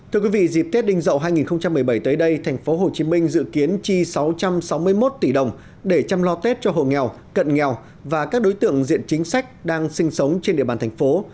thưa quý vị dịp tết đình dậu hai nghìn một mươi bảy tới đây thành phố hồ chí minh dự kiến chi sáu trăm sáu mươi một tỷ đồng để chăm lo tết cho hồ nghèo cận nghèo và các đối tượng diện chính sách đang sinh sống trên địa bàn thành phố